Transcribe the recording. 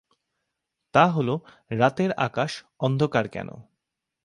তা হলো: "রাতের আকাশ অন্ধকার কেন?"